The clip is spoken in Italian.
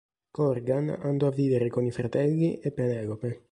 Corgan andò a vivere con i fratelli e Penelope.